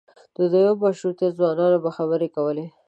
د دویم مشروطیت ځوانانو به خبرې کولې.